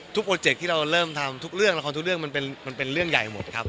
โปรเจคที่เราเริ่มทำทุกเรื่องละครทุกเรื่องมันเป็นเรื่องใหญ่หมดครับ